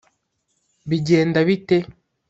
Bigenda bite